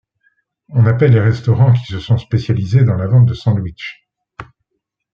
On appelle les restaurants qui se sont spécialisés dans la vente de sandwichs.